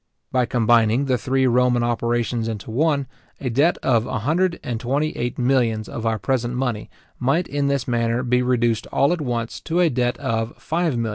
By combining the three Roman operations into one, a debt of a hundred and twenty eight millions of our present money, might in this manner be reduced all at once to a debt of £5,333,333:6:8.